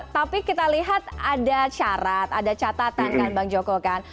tapi kita lihat ada syarat ada catatan kan bang joko kan